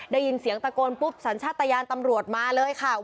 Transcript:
ได้ยินเสียงตะโกนปุ๊บสัญชาติยานตำรวจมาเลยค่ะ